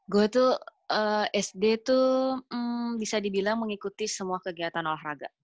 gue tuh sd tuh bisa dibilang mengikuti semua kegiatan olahraga